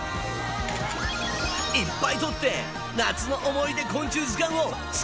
いっぱい撮って夏の思い出昆虫図鑑を作ろうぜ！